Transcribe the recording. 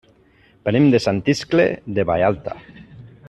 Venim de Sant Iscle de Vallalta.